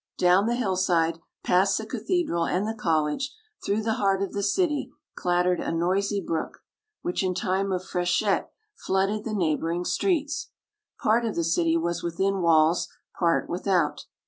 Down the hillside, past the cathedral and the college, through the heart of the city, clattered a noisy brook, which in time of freshet flooded the neighbouring streets. Part of the city was within walls, part without.